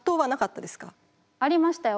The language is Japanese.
ありましたよ。